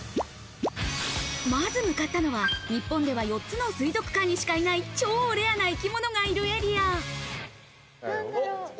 まず向かったのは、日本では４つの水族館にしかいない、超レアな生き物がいるエリア。